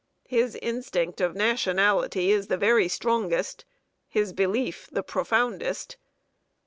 His instinct of nationality is the very strongest; his belief the profoundest.